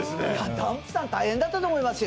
ダンプさん大変だったと思いますよ